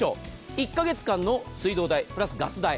１か月間の水道代プラスガス代。